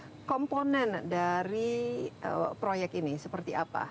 jadi komponen dari proyek ini seperti apa